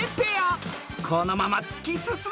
［このまま突き進めるのか？］